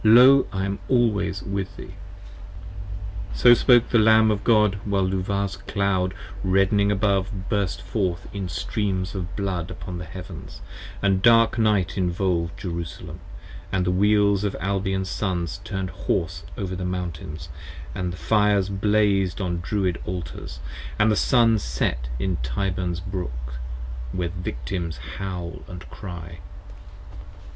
Lo, I am always with thee! 30 So spoke the Lamb of God while Luvah's Cloud reddening above Burst forth in streams of blood upon the heavens, & dark night Involv'd Jerusalem, & the Wheels of Albion's Sons turn'd hoarse Over the Mountains, & the fires blaz'd on Druid Altars, And the Sun set in Tyburn's Brook where Victims howl & cry.